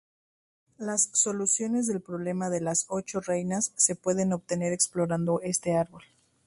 Las soluciones del problema de las ocho reinas se pueden obtener explorando este árbol.